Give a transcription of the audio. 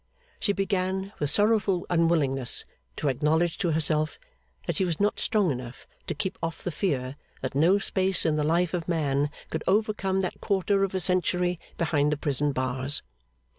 She began with sorrowful unwillingness to acknowledge to herself that she was not strong enough to keep off the fear that no space in the life of man could overcome that quarter of a century behind the prison bars.